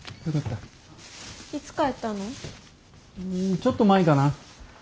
ちょっと前かな。